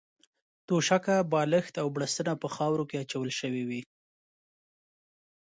توشکه، بالښت او بړستنه په خاورو کې اچول شوې وې.